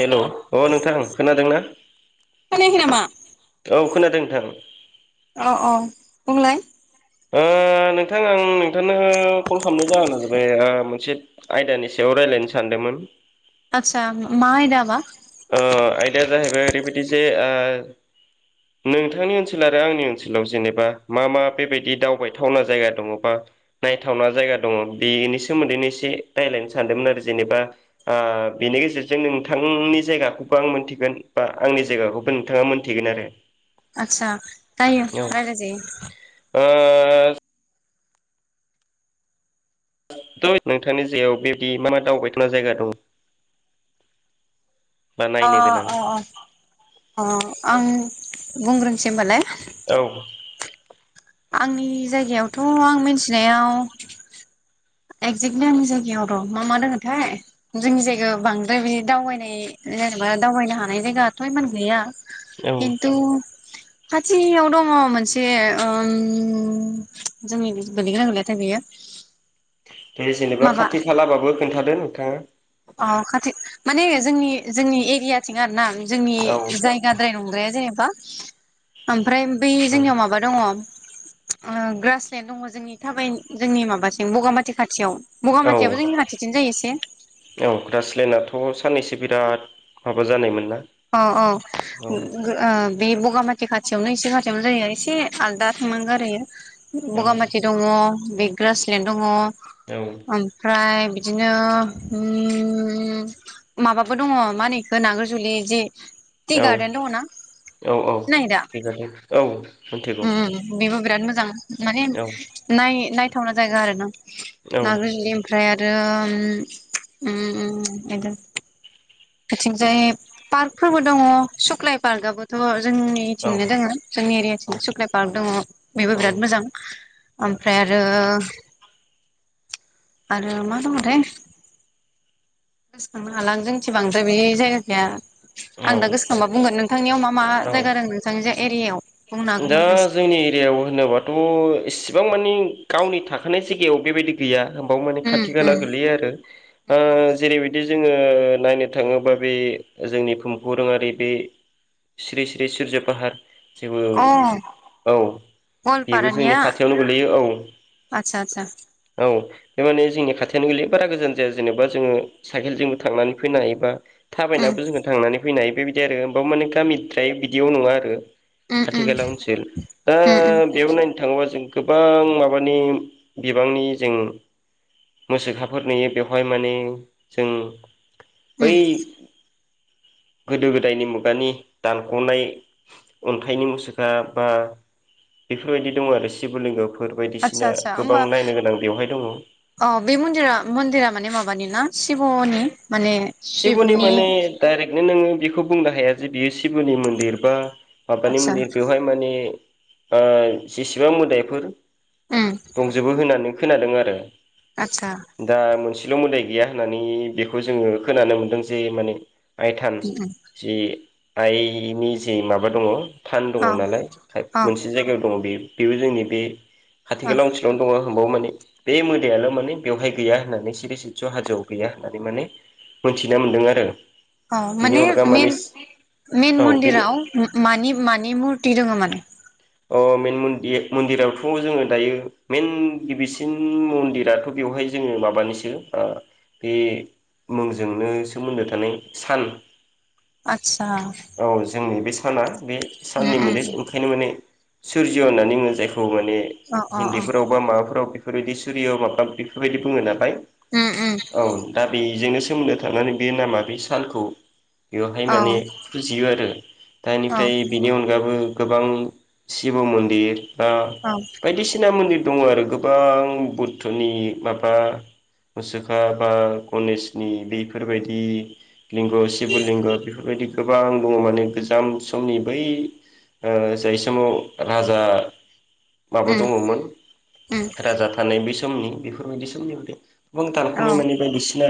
Hello अ नोंथां खोनादोंना खोनायाखै नामा? औ खोनादों नोंथां अ अ बुंंलाय ओ नोंथां आं नोंथांनो फन खालामनाय जाहोन जाबाय ओ मोनसे आयदानि सायाव रायज्लायनो सानदोंमोन। मोन आतसा मा आयदा बा? बि दे ओ नोंथांनि ओनसोल आरो आंनि ओनसोलाव जेनेबा मा मा बेबायदि दावबायथावना जायगा दङबा नायथावना जायगा दङ बेनि सोमोन्दैनो एसे रायज्लायनो सानदोंमोन आरो जेनेबा आ बेनि गेजेरजों नोंथांनि जायगाखौबो आं मोन्थिगोन बा आंनि जायगाखौबो नोंथाङा मोनथिगोन आरो। आतसा जायो औ रायलााय जायो। ओ थ नोंथांनि जायगायाव बेदि मा मा दावबायथावना जायगा दङ? अ अ अ अ आं बुंग्रोनसै होनबालाय। औ आंनि जायगायावथ' आं मिथिनायाव एक्जेक्टलि आंनि जायगायाव र' मा मा दोङथाय जोंनि जायगायाव बांद्राय बिदि दावबायनाय जेनेबा दावबायनो हानाय जायगाथ' इमान गैया औ खिन्थु खाथियाव दङ मोनसे ओम जोंनि गोलैग्रा गोलायथाय बेयो। [inaudible] दे जेनेबा माबा खाथि खालाबाबो खोन्थादो नोंथाङा। अ खाथि माने जोंनि जोंनि एरियाथिं आरो ना जोंनि औ जायगाद्राय नंग्राया जेनेबा ओमफ्राय बै औ जोंनियाव माबा दङ ओ ग्रासलेण्ड दङ जोंनि थाबाय जोंनि माबासिम बगामाथि खाथियाव। औ बगामाथियाबो जोंनि खाथिथिनो जायो एसे। ग्रासलेणडआथ साननैसो बिराद माबा जानायमोन ना अ अ औ गो ओ बे बगामाथि खाथियावनो इसे खाथियावनो जायो एसे आलदा थांनांगौ आरो इयो। औ बगामाथि दङ बे ग्रासलेण्ड दङ औ ओमफ्राय बिदिनो उम माबाबो दङ मा होनोखौ नागा जुलि जि औ टिगार्डेन दङना? औ औ सिनायो दा बेबादि औ मिथिगौ उम बेबो बिराद मोजां। माने औ नाय नायथावना जायगा आरो ना औ नागाजुलि ओमफ्राय आरो रो ओम उम आथिंजाय पार्कफोरबो दङ सुख्लाय पार्क आबोथ' जोंनिथिंनो दोङो जोंनि एरियाथिं सुख्लाय पार्क दङ बेबो बिराद मोजां। ओमफ्राय आरो आरो मा दंङथाय गोसोखांनो हालां जोंथि बांद्राय बे जायगागैया। औ आं दा गोसोखांबा बुंगोन नोंथांनियाव मा मा औ जायगा रं नोंथांनि जा एरियायाव? बुंनो हागोन दा नामा एसे जोंनि एरियायाव होनोबाथ' इसेबां मानि गावनि थाखानाय जायगायाव बेबायदि गैया होमबाव माने उम खाथि खाला उम गोलैयो आरो ओ जेरैबायदि जोङो नायनो थाङोबा बे जोंनि भुमखौराङारि बे सिरि सिरि सिरजा फाहार जेबौ अ औ बेबो गवालपारानिया जोंनि खाथियावनो गोलैयो औ आतसा आतसा औ बे माने जोंनि खाथिआनो गोलैयो बारा गोजान जाया जेनेबा जोङो साइकेलजोंबो थांनानै फैनो हायोबा उम थाबायनाबो जोङो थांनानै फैनो हायो बेबायदि आरो होमबाब माने गामिद्राय बिदियाव नङा आरो। उम खाथि उम खाला ओनसोल दा उम उम बेयाव नायनो थाङोबा जों गोबां माबानि बिबांनि जों मोसौखाफोर नुयो बेवहाय माने जों उम बै गोदो गोदायनि मुगानि दानख'नाय अन्थाइनि मुसुखा बा बेफोरबायदि दङ आरो शिब लिंग। आतसा आतसा होमबा दङ औ बे मन्दिरा मन्दिरा माने माबानि ना शिब'नि शिब'नि माने दाइरेक्टनो नोङो बेखौ बुंनो हाया जे बियो शिब'नि मन्दिर बा माबानि आतसा मन्दिर बेवहाय माने ओ जेसेबां मोदाइफोर उम दंजोबो होननानै खोनादों आरो आतसा दा मोनसेल' मोदाय गैया होननानै बेखौ जोङो खोनानो मोन्दों जे माने आइ थान उम उम जि आइनि जे माबा दङ थान दङ औ नालाय औ मोनसे जायगायाव दङ बे बेबो जोंनि बे खाथि औ खाला ओनसोलावनो दङ होनबाव माने बे मोदायाल' माने बेवहाय गैया होननानै सिरि सिज्य हाजोआव गैया होननानै माने मोनथिना मोन्दों आरो अ बिनि माने अनगा मेन मेन औ बेनि मन्दिराव मानि मानि मुर ति दोङो माने? अ मेन मन्दि-मन्दिरावथ' जोङो दायो मेन गिबिसिन मन्दिराथ' बेवहाय जोङो माबानिसो ओ बे मुंजोंनो सोमोन्दो थानाय सान आतसा औ जोंनि बे साना बे उम साननि उम मोदै ओंखायनो माने सुर्ज्य होननानै बुङो जायखौ माने अ अ अ हिन्दीफोराव बा माबाफोराव बेफोरबायदि सुरिय माबा बेफोरबायदि बुङो नालाय उम उम औ दा बे बेजोंनो सोमोन्दो थानानै बे नामा बे सानखौ बेवहाय औ माने फुजियो आरो औ दानिफ्राय बेनि अनगाबो गोबां शिब मन्दिरा बा औ बायदिसिना मन्दिर दङ आरो गोबां बुद्धनि माबा मुसुखा बा गनेशनि बेफोरबायदि लिंग' सिब लिंग' बेफोरबायदि गोबां दङ माने गोजाम समनि बै ओ जाय स माव राज माबा उम दङमोन उम राजा थानाय बै स मनि बेफोरबायदि समनि बै गोबां औ दानख'नाय माने अ बायदिसिना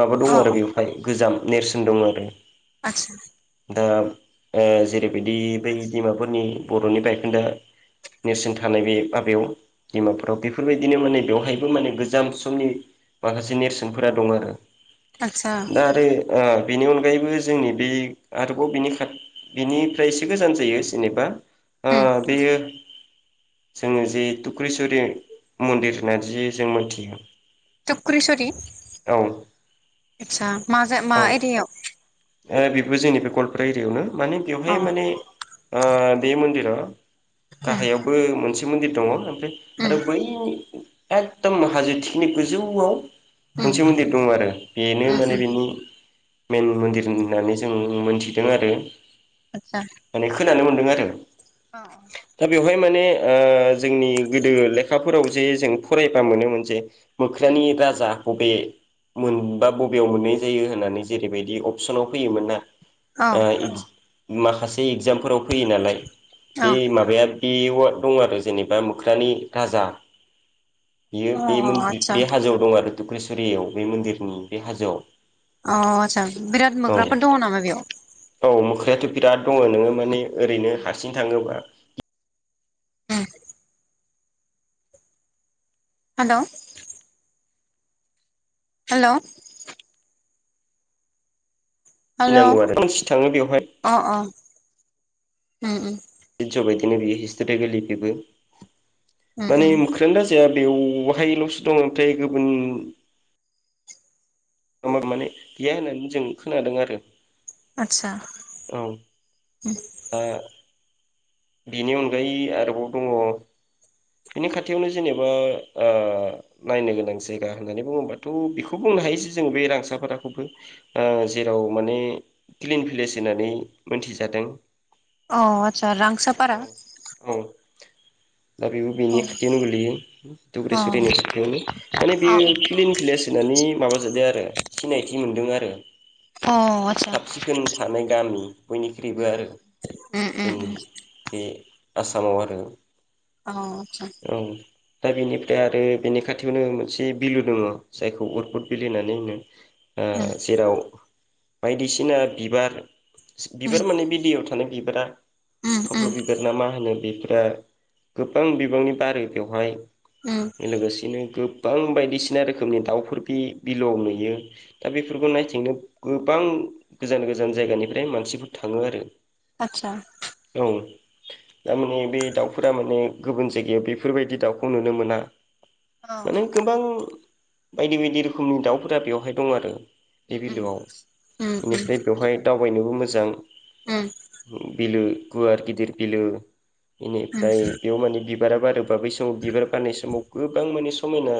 माबा दं अ आरो बेवहाय गोजाम नेरसोन दं आरो आतसा नोंथाङा ओ जेरैबायदि बै डिमापुरनि बर'नि बायखोन्दा नेरसोन थानाय बे माबायाव डिमापुराव बेफोरबायदिनो माने बेवहायबो माने गोजाम समनि माखासे नेरसोनफोरा दं आरो। आतसा दा आरो ओ बेनि अनगायैबो जोंनि बे आरोबाव बिनि खा बिनिफ्राय एसे गोजान जायो जेनेबा आ उम बियो जोङो जि टुक्रेस्वरि मन्दिर होनना जि जों मोनथियो टुक्रेसरि औ आतसा मा जा मा औ एरियायाव ओ बेबो जोंनि बे गवालपारा एरियायावनो माने अ बेवहाय माने ओ बे मन्दिरा उम गाहायावबो मोनसे मन्दिर दङ ओमफ्राय आरो बै एकदम हाजो थिकिनि गोजौआव मोनसे मन्दिर दङ आरो बेनो माने बेनि मेन मन्दिर होननानै जों मोनथिदों आरो माने खोनानो मोनदों आरो औ दा बेवहाय माने ओ जोंनि गोदो लेखा फोराव जे जों फरायबा मोनोमोन जे मोख्रानि राजा बे मोनबा बबेयाव मोननाय जायो होननानै जेरैबायदि अपसनाव फैयोमोन ना! औ ओ माखासे इगजामफोराव फैयो नालाय औ बे माबाया बेयाव दं आरो जेनेबा मोख्रानि राजा बियो अ बे मन आदसा बे हाजोआव दं आरो टुक्रेस्वरियाव बे मन्दिरनि बे हाजोआव अ आतसा बिराद औ मोख्राफोर दङ नामा बेयाव? औ मोख्रायाथ' बिराद दङ नोङो माने ओरैनो हारसिं थाङोबा ह हेल'। हेल'। हेल' गिनांगौ आरो मानसि थाङो बेवहाय अ' अ' उम उम। जि ज' बायदिनो बियो हिस्ट'रिकेलि बेबो उम माने उम [unintelligible] बेवहायल'सो दं ओमफ्राय गुबुन माने गैया होननानै जों खोनादों आरो। आच्छा औ उम। दा बेनि अनगायै आरोबाव दङ' बिनि खाथियावनो जेनेबा ओ नायनो गोनां जायगा होननानै बुङोबाथ' बेखौ बुंनो हायो ज जों बे रांसाफाराखौबो जेराव माने क्लिन भिलेज होननानै मोनथिजा दों। अ' आतसा रांसाफारा औ दा बेबो बेनि खाथियावनो गोलैयो अ दुब्रेसुरिनि खाथियावनो माने अ बेयो क्लिन भिलेस होननानै नि माबा जादों आरो सिनायथि मोनदों आरो। अ आदसा साब सिखोन थानाय गामि बयनिख्रुइबो उम आरो उम उम जोंनि उम बे आसामाव आरो। औ आतसा। औ दा बेनिफ्राय आरो बेनि खाथियावनो मोनसे बिलो दङ' जायखौ उरफद बिल होननानै होनो। ओ उम जेराव बायदिसिना बिबार, उम बिबार माने बि दैयाव थानाय बिबारा उम उम थब्ल' बिबार ना मा होनो बे ओ गोबां बिबांनि बारो बेवहाय उम लोगोसेनो गो बां बायदिसिना रोखोमनि दाउफोर बि बिलोआव नुयो दा बेफोरखौ नायथिंनो गोबां गोजान गोजान जायगानिफ्राय मानसिफोर थां थाङो आरो आदसा औ। थारमाने बे दाउफोरा माने गुबुन जायगायाव बेफोरबायदि दाउखौ नुनो मोना। औ माने गोबां बायदि बायदि रोखोमनि दाउफोरा बेवहाय दं आरो। बे उम उम बिलोआव उम उम बेनिफ्राय बेवहाय दाउ बयनोबो मोजां उम बिलो गुवार गिदिर बिलो उम बेनिफ्राय बेयाव माने बिब बारा बारोबा बै समाव बिबार बारनाय समाव गोबां माने समायना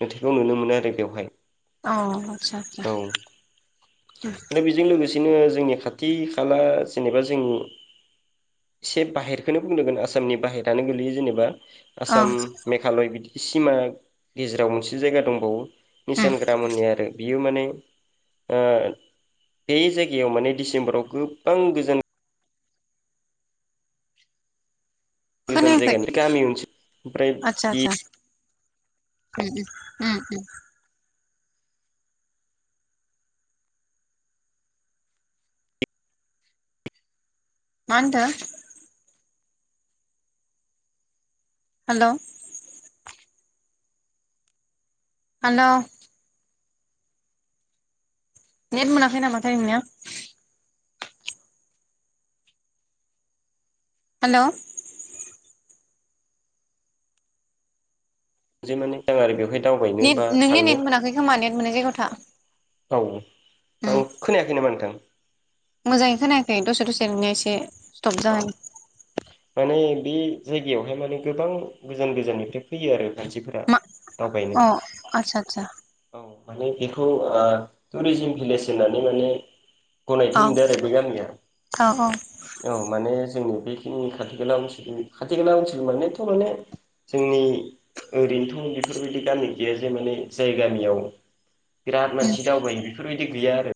नुथाइखौ नुनो मोनो आरो बेवहाय। अ आदसा आदसा औ दा बेजों लोगोसे दिनो जोंनि खाथि खाला जेनेबा जों एसे बाहेरखौनो बुंनांगोन आसामनि बाहेरानो गोलैयो जेनेबा। अ आसाम मेघालय बिदि सिमा गेजेराव मोनसे जायगा दंबावो। उम मिसान ग्राम होननाय आरो बियो माने ओ बे जायगायाव माने डिसेम्बराव गोबां गोजान गोजान खोनायाखै जायगानि गामि ओनसोल ओमफ्राय आतसा, बे आतसा। उम उम उम उम। मा होनदों? हेल'। हेल'। नेट मोनाखै नामा थाय नोंनिआ? हेल'। जे माने दां आरो बेवहाय दावबायनो नेट बा नोंनि नेट मोनाखै खोमा नेट मोननाय जायगायाव था। औ औ उम खोनायाखै नामा नोंथां? मोजाङै खोनायाखै दसे दसे नोंना एसे स्टप जाहां माने बे जायगायावहाय माने गोबां गोजान गोजाननिफ्राय फैयो आरो मानसिफोरा। मा दावबायनो अ' आतसा आतसा। औ माने बेखौ टुरिजिम भिलेज होननानै माने गनायथि आतसा मोनदों आरो बे गामिया। अ औ औ औ माने जोंनि बेखिनि खाथि गला ओनसोल खाथि गला ओनसोलनि मानेथ' माने जोंनि ओरैनोथ' बेफोरबायदि गामि गैया जे माने जाय गामियाव बिराद मानसि दावबायो बेफोरबायदि गैया आरो।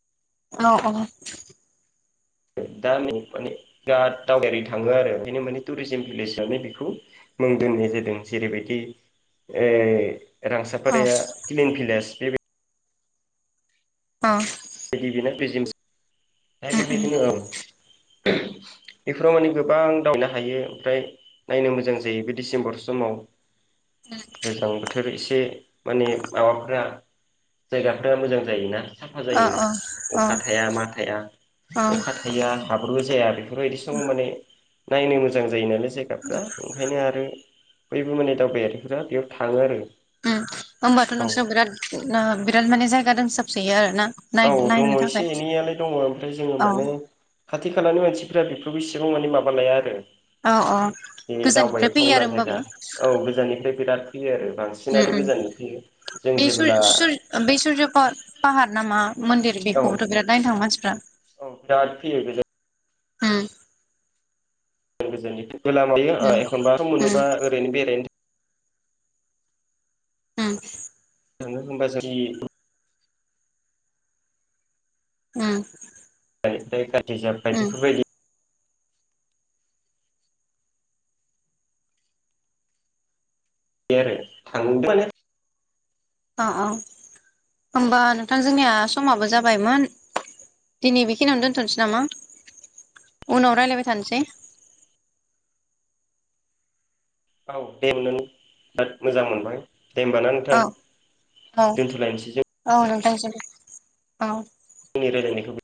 औ-औ। दा माने बिराद दावबायारि थाङो आरो बेओंखायनो माने टुरिजम भिलेजनानै बेखौ दोननाय जादों जेरैबायदि ऐ रां साफारिया क्लिन भिलेज बेबायदि औ। बिदि बेनो बेजिमस फ्राय उम बेबायदिनो उम ओं--। बेफोराव माने गोबां दावबायनो हायो ओमफ्राय नायनो मोजां जायो बे डिसेम्बर समाव। गोजां बो फोर एसे माने माबाफ्रा जायगाफ्रा मोजां जायोना साफा अ जायो अ अ अखा थाया मा थाया अ अखा थाया बो जाया बेफोरबायदि सम माने नायनो मोजां जायो नालाय जायगाफ्रा ओंखायनो आरो बयबो माने दावबायारिफ बेयाव थाङो आरो। उम होमबाथ' औ नोंसोर बिराद -बिराद माने जायगा दोनसाबसोयो आरो ना? नाय औ दङ नायनो थाखाय एसे एनैयालाय दङ ओमफ्राय जोङो औ माने खाथि- खालानि मानसिफ्रा बेफोरावबो इसेबां माने माबा लाया आरो। औ औ बे गोजाननिफ्राय दावबायथाव फैयो आरो नालाय होमबाबो दा औ गोजाननिफ्राय बिराद फैयो आरो बांसिनानो अम-अम गोजाननि फैयो जों बे जेबोला सुर-सुरज फा फाहार नामा? मन्दिर औ बेखौबोथ' बिराद नायनो थाङो मानसिफ्रा। औ बिराद भिर बे अम। गोजान-गोजाननि गोलामायो उम एखनबा सम उम मोनोबा ओरैनो बेरायनो। हम। थाङो होनबा जोंनि अम। ओमफ्राय गाज्रि जाबाय बेफोरबायदि। बिदि आरो थांड़ोमान औ -औ होमबा नोंथां जोंनिया समाबो जाबायमोन। दिनै बेखिनियावनो दोनथ'नोसै नामा? उनाव रायलायबाय थानोसै। औ दे नोंथांजों रायलायनानै बिराद मोजां मोनबाय। दे होमबा ना औ नोंथां दोनथ'लायनोसै जों दस औ। आंनि रायलायनायखौ